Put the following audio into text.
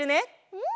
うん！